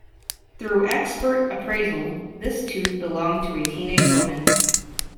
Through expert appraisal, this tooth belonged to a teenage woman.